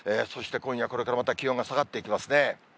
そして今夜、これからまた気温が下がっていきますね。